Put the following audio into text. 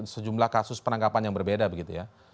sejumlah kasus penangkapan yang berbeda begitu ya